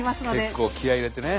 結構気合い入れてね。